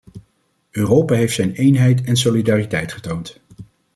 Europa heeft zijn eenheid en solidariteit getoond.